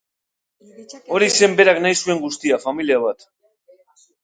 Hori zen berak nahi zuen guztia, familia bat.